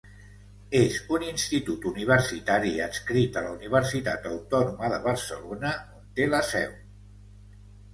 És un institut universitari adscrit a la Universitat Autònoma de Barcelona, on té la seu.